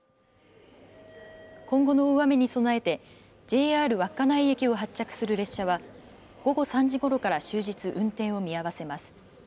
今後の大雨に備えてＪＲ稚内駅を発着する列車は午後３時ごろから終日運転を見合わせます。